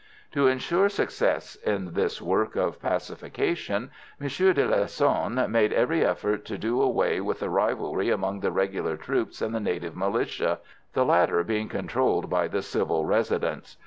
To ensure success in this work of pacification, M. de Lanessan made every effort to do away with the rivalry among the regular troops and the native militia, the latter being controlled by the civil Residents.